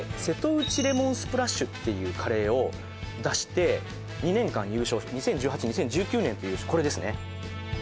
瀬戸内レモンスプラッシュっていうカレーを出して２年間優勝２０１８２０１９年っていうこれですね